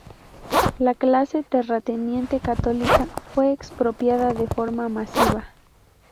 La clase terrateniente católica fue expropiada de forma masiva.